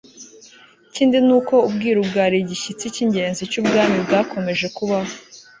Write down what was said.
ikindi ni uko ubwiru bwari igishyitsi cy'ingenzi cy'ubwami bwakomeje kubaho